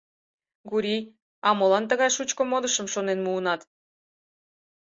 Гурий, а молан тыгай шучко модышым шонен муынат?